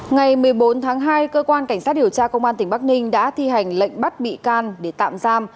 ngày một mươi bốn tháng hai cơ quan cảnh sát điều tra công an tỉnh bắc ninh đã thi hành lệnh bắt bị can để tạm giam